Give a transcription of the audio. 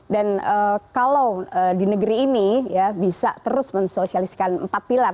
dan kalau di negeri ini ya bisa terus mensosialisikan empat pilar